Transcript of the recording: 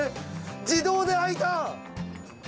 自動で開いた！